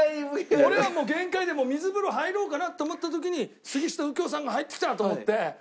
俺はもう限界で水風呂入ろうかなと思った時に杉下右京さんが入ってきたと思って。